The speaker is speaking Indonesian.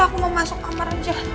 aku mau masuk kamar aja